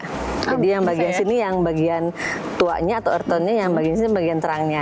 jadi yang bagian sini yang bagian tuanya atau earth tone nya yang bagian sini yang bagian terangnya